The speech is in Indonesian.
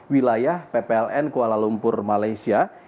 wilayah ppln kuala lumpur malaysia